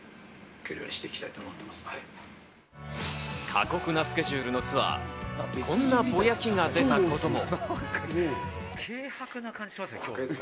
過酷なスケジュールのツアー、こんなぼやきが出たことも。